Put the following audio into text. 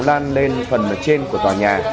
nhanh chóng lan lên phần trên của tòa nhà